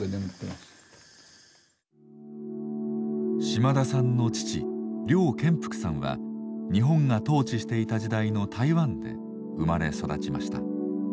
島田さんの父廖見福さんは日本が統治していた時代の台湾で生まれ育ちました。